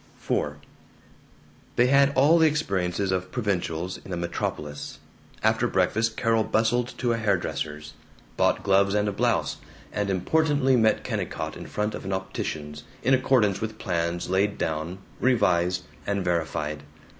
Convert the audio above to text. IV They had all the experiences of provincials in a metropolis. After breakfast Carol bustled to a hair dresser's, bought gloves and a blouse, and importantly met Kennicott in front of an optician's, in accordance with plans laid down, revised, and verified.